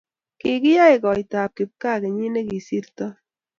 kikiyei koitab kipgaa kenyit ne kosirtoi